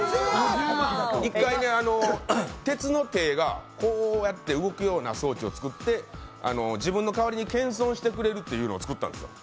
一回、鉄の手がこうやって動くような装置を作って自分の代わりに謙遜してくれるというのを作ったんです。